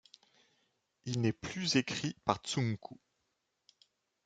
Il n'est plus écrit par Tsunku.